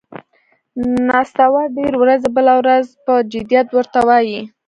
نستوه ډېر ورځي، بله ورځ پهٔ جدیت ور ته وايي: